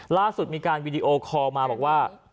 ล่าสุดมีการวีดีโอคอลมาบอกว่า